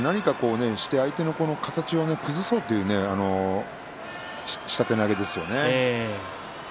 相手の形を崩そうという下手投げですね。